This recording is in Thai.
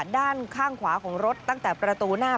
ด้านข้างขวาของรถตั้งแต่ประตูหน้า